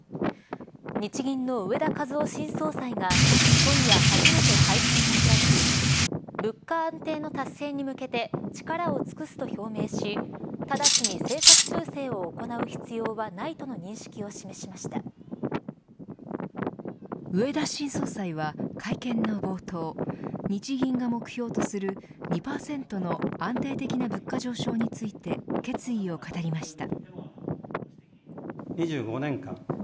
日銀の植田和男新総裁が今夜、初めて会見を開き物価安定の達成に向けて力を尽くすと表明し直ちに政策修正を行う必要はないとの認識を示しま植田新総裁は会見の冒頭日銀が目標とする２％の安定的な物価上昇について決意を語りました。